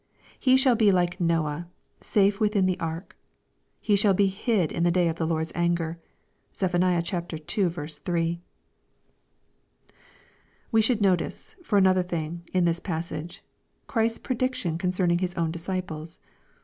He shall be like Noah, safe within the ark. He shall be " hid in the day of the Lord's anger.'* (Zeph. ii. 3.) We should notice, for another thing, in this passage, Christ's prediction concerning His own disciples.